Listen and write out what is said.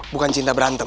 bukan cinta berantem